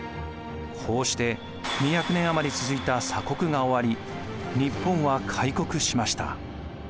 こうして２００年余り続いた鎖国が終わり日本は開国しました。